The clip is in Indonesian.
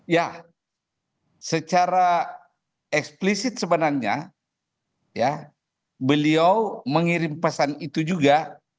ya secara eksplisit sebenarnya beliau mengirim pesan itu juga